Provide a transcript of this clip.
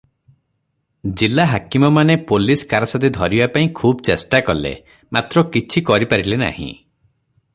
ଜିଲା ହାକିମମାନେ ପୋଲିଶ କାରସାଦି ଧରିବାପାଇଁ ଖୁବ ଚେଷ୍ଟା କଲେ; ମାତ୍ର କିଛି କରି ପାରିଲେ ନାହିଁ ।